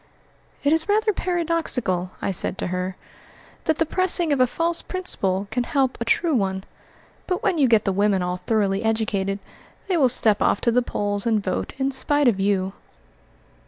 "It is rather paradoxical," I said to her, "that the pressing of a false principle can help a true one; but when you get the women all thoroughly educated, they will step off to the polls and vote in spite of you."